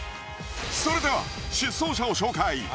それでは出走者を紹介